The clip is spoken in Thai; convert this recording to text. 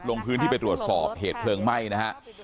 ลงพื้นที่ไปตรวจสอบเหตุเพลิงไหม้นะฮะ